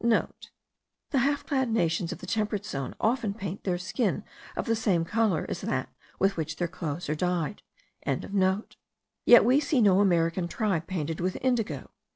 *(* The half clad nations of the temperate zone often paint their skin of the same colour as that with which their clothes are dyed.) Yet we see no American tribe painted with indigo.